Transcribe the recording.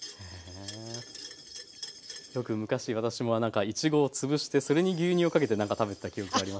よく昔私もなんかいちごをつぶしてそれに牛乳をかけてなんか食べてた記憶があります。